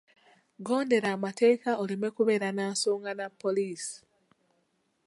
Gondera amateeka oleme kubeera na nsonga na poliisi.